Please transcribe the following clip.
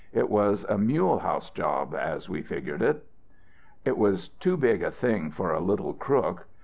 It was a Mulehaus job, as we figured it. "It was too big a thing for a little crook.